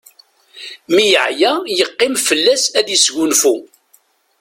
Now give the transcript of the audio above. Mi yeɛya yeqqim fell-as ad yesgunfu.